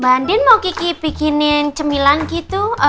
mbak andin mau kiki bikinin cemilan gitu